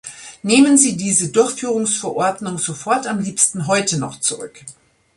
Nehmen Sie diese Durchführungsverordnung sofort am liebsten heute noch zurück!